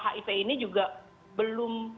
hiv ini juga belum